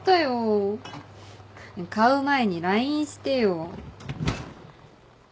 買う前にＬＩＮＥしてよ。